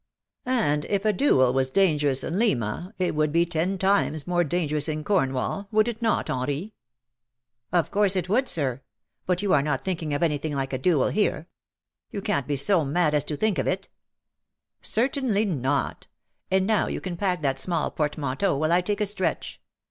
" And if a duel was dangerous in Lima, it would be ten times more dangerous in Cornwall, would it not, Henri?" " Of course it would. Sir. But you are not thinking of anything like a duel here — you can't be so mad as to think of it." 256 " LOVE BORE SUCH BITTER," ETC. " Certainly not. And now you can pack that small portmanteau, while I take a stretch.